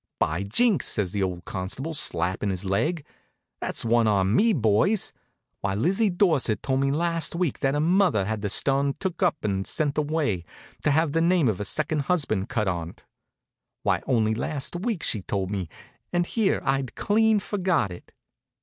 "By jinks!" says the old constable, slappin' his leg. "That's one on me, boys. Why, Lizzie Dorsett told me only last week that her mother had the stun took up and sent away to have the name of her second husband cut on't. Only last week she told me, and here I'd clean forgot it."